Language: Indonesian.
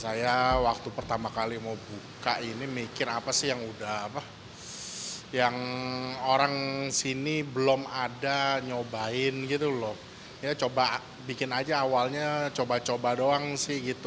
saya waktu pertama kali mau buka ini mikir apa sih yang udah apa yang orang sini belum ada nyobain gitu loh ya coba bikin aja awalnya coba coba doang sih gitu